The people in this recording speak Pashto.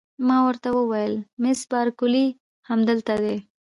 ما ورته وویل: مس بارکلي همدلته ده؟